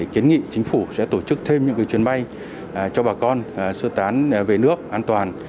kiến nghị chính phủ sẽ tổ chức thêm những chuyến bay cho bà con sơ tán về nước an toàn